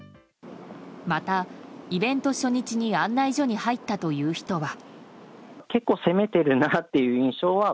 また、イベント初日に案内所に入ったという人は。